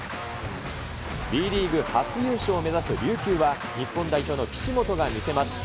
Ｂリーグ初優勝を目指す琉球は日本代表の岸本が見せます。